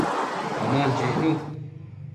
Omon chicnu